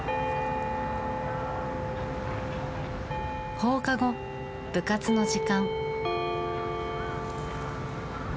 放課後部活の時間。